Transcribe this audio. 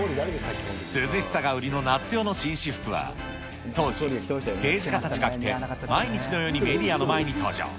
涼しさが売りの夏用の紳士服は、当時、政治家たちが着て、毎日のようにメディアの前に登場。